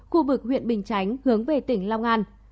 khu vực huyện bình chánh hướng về tỉnh long an